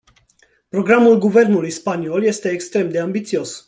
Programul guvernului spaniol este extrem de ambițios.